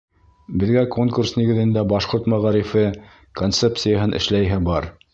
Беҙгә конкурс нигеҙендә башҡорт мәғарифы концепцияһын эшләйһе бар.